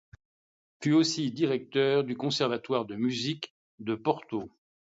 Fut aussi directeur du Conservatoire de Musique de Porto.